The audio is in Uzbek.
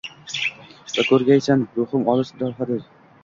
va ko’rgaysan, ruhim olis rohdadir…